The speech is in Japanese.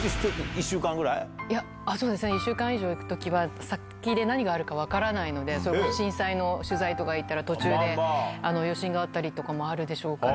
いや、あっ、そうですね、１週間以上行くときは、先で何があるか分からないので、それこそ震災の取材とか行ったら、途中で余震があったりとかもあるでしょうから。